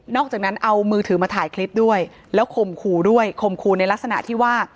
อกจากนั้นเอามือถือมาถ่ายคลิปด้วยแล้วข่มขู่ด้วยข่มขู่ในลักษณะที่ว่า